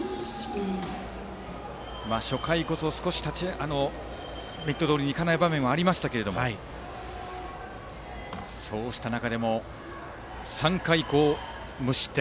初回こそミットどおりに行かない場面もありましたがそうした中でも３回以降無失点。